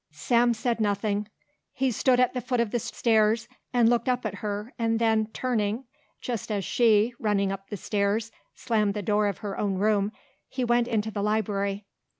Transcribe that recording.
Sam said nothing. He stood at the foot of the stairs and looked up at her and then, turning, just as she, running up the stairs, slammed the door of her own room, he went into the library.